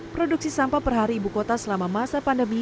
produksi sampah per hari ibu kota selama masa pandemi